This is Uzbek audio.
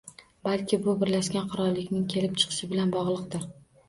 Balki bu Birlashgan Qirollikning kelib chiqishi bilan bogʻliqdir.